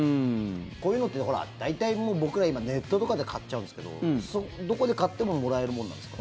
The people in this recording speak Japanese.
こういうのって大体、僕ら今ネットとかで買っちゃうんですけどどこで買ってももらえるものなんですか？